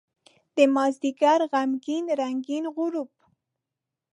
دمازدیګر غمګین رنګین غروب